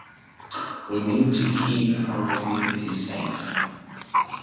We need to keep our community safe.